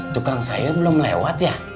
tukang saya belum lewat ya